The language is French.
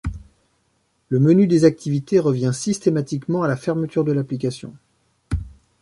Le menu des activités revient systématiquement à la fermeture de l'application.